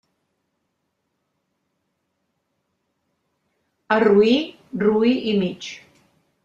A roí, roí i mig.